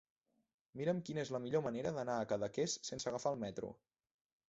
Mira'm quina és la millor manera d'anar a Cadaqués sense agafar el metro.